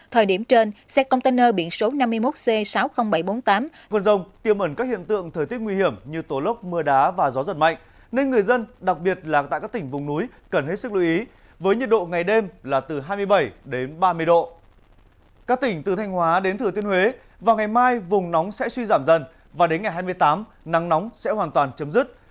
thời điểm trên xe container biển số năm mươi một c sáu mươi nghìn bảy trăm bốn mươi tám